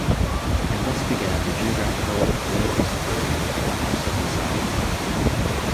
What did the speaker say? And thus began the geographical and political separation of the House of Nassau.